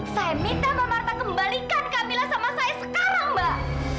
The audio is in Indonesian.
saya minta no marta kembalikan kamila sama saya sekarang mbak